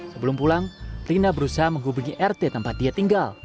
sebelum pulang rina berusaha menghubungi rt tempat dia tinggal